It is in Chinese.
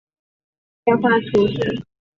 谢讷杜伊人口变化图示